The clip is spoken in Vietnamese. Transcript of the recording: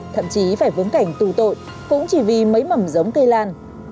thậm chí phải vướng cảnh tù tội cũng chỉ vì mấy mầm giống cây lan